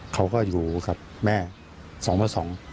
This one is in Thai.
เขาก็อยู่กับแม่๒ตัว๒